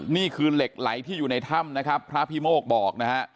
นี่คือเหล็กไหลที่อยู่ในถ้ำนะครับพระพิโมกบอกนะฮะ